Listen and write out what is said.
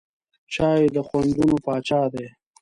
چای د خوندونو پاچا دی.